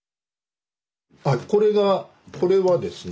これがこれはですね